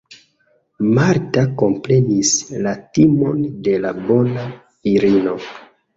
Marta komprenis la timon de la bona virino.